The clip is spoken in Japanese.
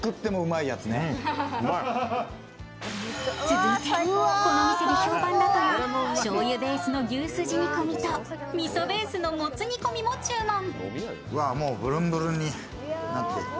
続いてこのお店で評判だというしょうゆベースの牛スジ煮込みとみそベースのもつ煮込みも注文。